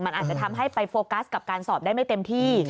มันอาจจะทำให้ไปโฟกัสกับการสอบได้ไม่เต็มที่